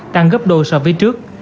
tăng gấp đôi so với trước